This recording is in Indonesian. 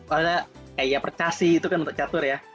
ada kayak percasi itu kan untuk catur ya